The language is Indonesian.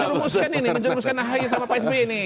mau menjurumuskan ini menjurumuskan ahy sama pak sby ini